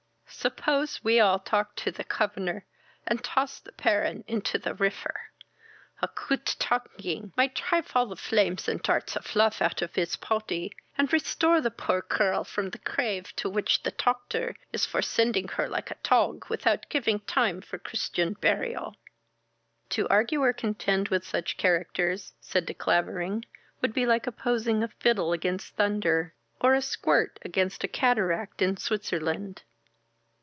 "Suppose we all talk to the covernor, and toss the Paron into the rifer. A coot tucking might trive all the flames and darts of luf out of his pody, and restore the poor cirl from the crave, to which the toctor is for sending her like a tog, without giving time for Christian burial!" "To argue, or contend with such characters (said De Clavering) would be like opposing a fiddle against thunder, or a squirt against a cataract in Switzerland."